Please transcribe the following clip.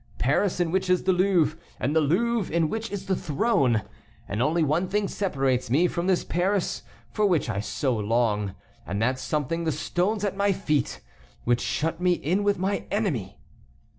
Paris, in which is the Louvre, and the Louvre, in which is the throne; and only one thing separates me from this Paris, for which I so long, and that something the stones at my feet, which shut me in with my enemy!"